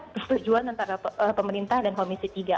persetujuan antara pemerintah dan komisi tiga